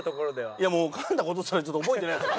いやもうかんだ事すらちょっと覚えてないです。